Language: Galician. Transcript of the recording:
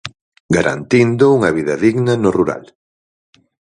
Garantindo unha vida digna no rural.